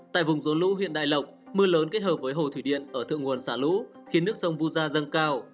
tại vùng rốn lũ huyện đại lộc mưa lớn kết hợp với hồ thủy điện ở thượng nguồn xả lũ khiến nước sông vu gia dâng cao